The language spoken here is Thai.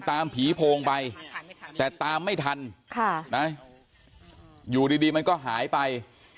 ตามผีโพงไปแต่ตามไม่ทันอยู่ดีมันก็หายไป